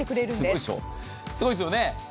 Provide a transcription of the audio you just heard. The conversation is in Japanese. すごいですよね。